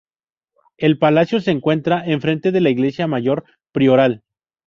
El palacio se encuentra enfrente de la Iglesia Mayor Prioral.